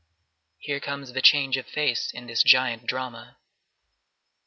Here comes the change of face in this giant drama.